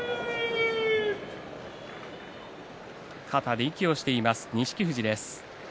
肩で息をしています錦富士です。